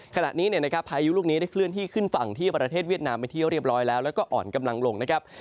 ขณะนี้เนี่ยนะครับพายุลูกนี้ได้เคลื่อนที่ขึ้นฝั่งที่ประเทศเวียดนามไปที่เรียบร้อยแล้วแล้วก็อ่อนกำลังลงนะครับ